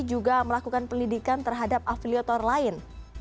juga melakukan penyidikan terhadap afiliator lain